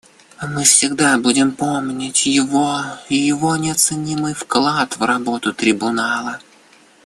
Мы всегда будем помнить его и его неоценимый вклад в работу Трибунала.